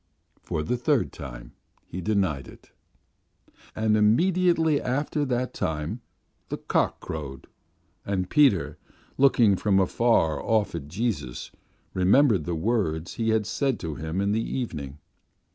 For the third time he denied it. And immediately after that time the cock crowed, and Peter, looking from afar off at Jesus, remembered the words He had said to him in the evening....